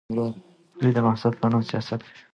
دوی د مذهب په نوم سیاست کوي.